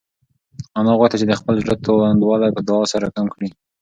انا غوښتل چې د خپل زړه توندوالی په دعا سره کم کړي.